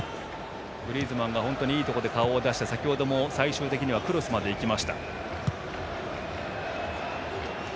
グリーズマンがいいところで顔を出して先程も最終的にはクロスまでいきました。